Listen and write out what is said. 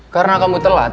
karena kamu telat